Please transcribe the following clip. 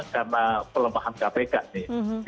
karena pelemahan kpk nih